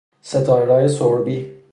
ستارههای سربی.